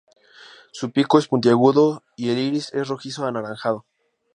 Su pico es puntiagudo y el iris es rojizo a anaranjado.